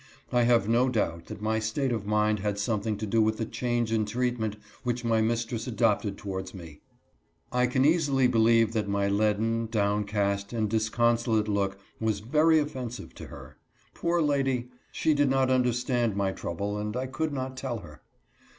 I have, no doubt that my state of mind had something to do with'thlfcliange in treatment which my mistress adoptea^towaTds jne I can easily believe that my leaden, downcast, and disconsolate look was very offensive to her. Poor lady ! She did not un derstand my trouble, and I could not tell her.